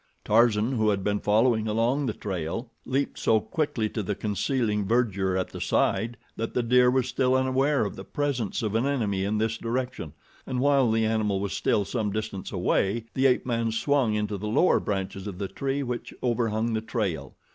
Tarzan, who had been following along the trail, leaped so quickly to the concealing verdure at the side that the deer was still unaware of the presence of an enemy in this direction, and while the animal was still some distance away, the ape man swung into the lower branches of the tree which overhung the trail.